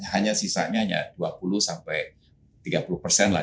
hanya sisanya hanya dua puluh sampai tiga puluh persen lah